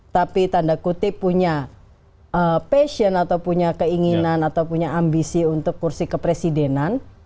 tapi tanda kutip punya passion atau punya keinginan atau punya ambisi untuk kursi kepresidenan